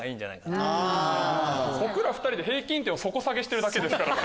僕ら２人で平均点を底下げしてるだけですからね。